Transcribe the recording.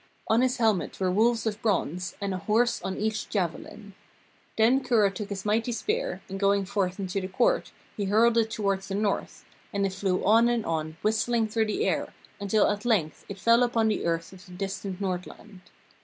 On his helmet were wolves of bronze, and a horse on each javelin. Then Kura took his mighty spear, and going forth into the court he hurled it towards the north; and it flew on and on, whistling through the air, until at length it fell upon the earth of the distant Northland.